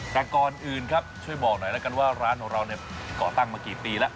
แต่ก่อนอื่นครับช่วยบอกหน่อยแล้วกันว่าร้านของเราเนี่ยก่อตั้งมากี่ปีแล้ว